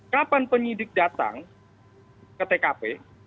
kapan penyidik datang ke tkp